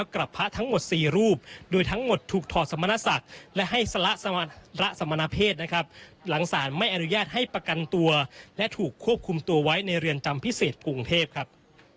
ขออนุญาตให้ประกันตัวและถูกควบคุมตัวไว้ในเรียนจำพิเศษภูมิเทพครับ